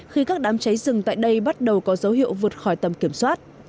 khi các đám cháy rừng tại đây bắt đầu có dấu hiệu vượt khỏi tầm kiểm soát